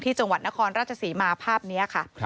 จังหวัดนครราชศรีมาภาพนี้ค่ะ